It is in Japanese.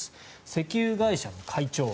石油会社の会長。